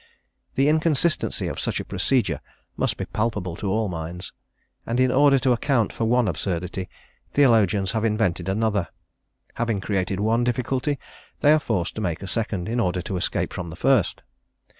The inconsistency of such a procedure must be palpable to all minds; and in order to account for one absurdity, theologians have invented another; having created one difficulty, they are forced to make a second, in order to escape from the first.